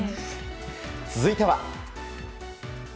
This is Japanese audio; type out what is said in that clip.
続いては。